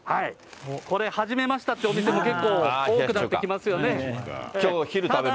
これ始めましたっていうお店も結構多くなってきますよね。